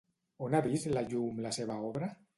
On ha vist la llum la seva obra?